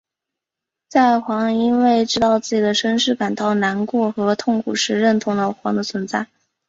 在煌因为知道自己的身世感到难过和痛苦时认同了煌的存在。